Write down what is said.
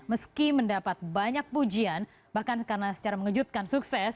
meski mendapat banyak pujian bahkan karena secara mengejutkan sukses